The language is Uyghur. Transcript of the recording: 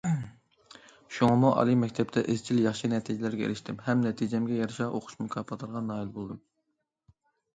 شۇڭىمۇ ئالىي مەكتەپتە ئىزچىل ياخشى نەتىجىلەرگە ئېرىشتىم ھەم نەتىجەمگە يارىشا ئوقۇش مۇكاپاتلىرىغا نائىل بولدۇم.